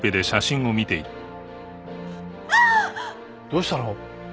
どうしたの？